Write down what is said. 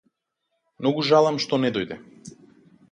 Многу жалам што не дојде.